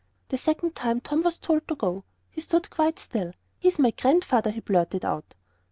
The second time Tom was told to go. He stood quite still. "He's my Grandfather!" he blurted out.